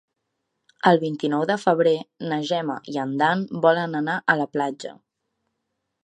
El vint-i-nou de febrer na Gemma i en Dan volen anar a la platja.